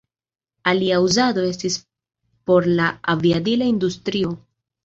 Alia uzado estis por la aviadila industrio.